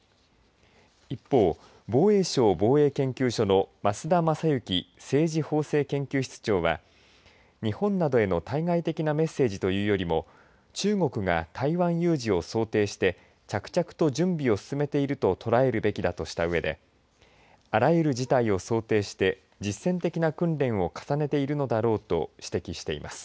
一方、防衛省防衛研究所の増田雅之政治・法制研究室長は日本などへの対外的なメッセージというよりも中国が台湾有事を想定して着々と準備を進めていると捉えるべきだとしたうえであらゆる事態を想定して実践的な訓練を重ねているのだろうと指摘しています。